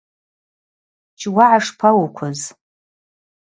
Щуагӏа шпауыквыз.